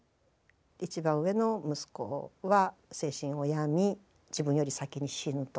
一番上の息子は精神を病み自分より先に死ぬと。